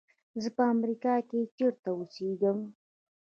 زه په امریکا کې چېرته اوسېږم.